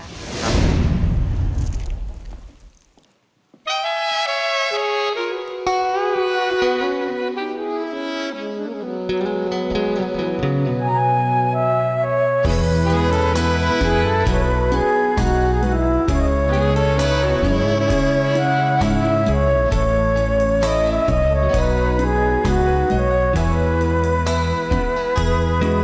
ขอให้โชคดีค่ะ